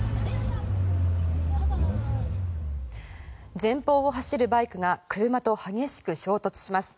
前方を走るバイクが車と激しく衝突します。